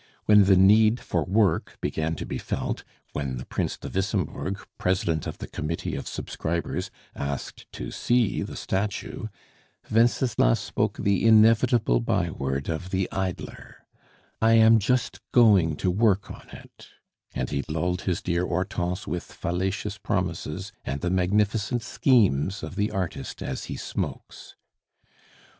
When the need for work began to be felt, when the Prince de Wissembourg, president of the committee of subscribers, asked to see the statue, Wenceslas spoke the inevitable byword of the idler, "I am just going to work on it," and he lulled his dear Hortense with fallacious promises and the magnificent schemes of the artist as he smokes.